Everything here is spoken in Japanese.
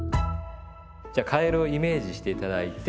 じゃあカエルをイメージして頂いて。